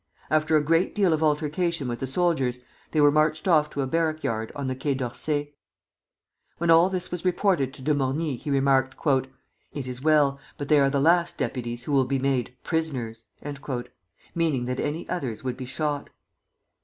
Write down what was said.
After a great deal of altercation with the soldiers, they were marched off to a barrack yard on the Quai d'Orsay. When all this was reported to De Morny, he remarked: "It is well; but they are the last deputies who will be made prisoners," meaning that any others would be shot.